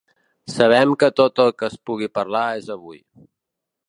Sabem que tot el que es pugui parlar és avui.